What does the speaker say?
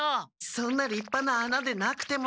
そんなりっぱな穴でなくても。